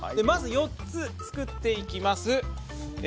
まず４つ作っていきます。